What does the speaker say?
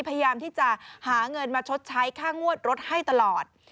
พยายามที่จะหาเงินมาชดใช้ค่างวดรถให้ตลอด